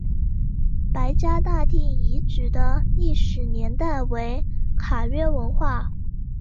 白家大地遗址的历史年代为卡约文化。